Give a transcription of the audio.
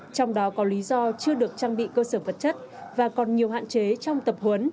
trong đó có lý do chưa được trang bị cơ sở vật chất và còn nhiều hạn chế trong tập huấn